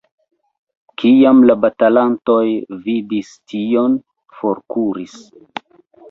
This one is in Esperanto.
Kiam la batalantoj vidis tion, forkuris.